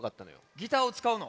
ギターをつかうの？